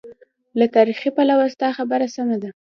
له تاریخي پلوه ستا خبره سمه ده.